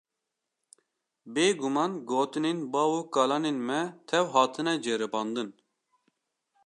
Bêguman gotinên bav û kalanên me tev hatine ceribandin.